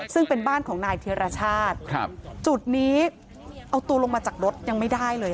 ซึ่งเป็นบ้านของนายธิรชาติจุดนี้เอาตัวลงมาจากรถยังไม่ได้เลย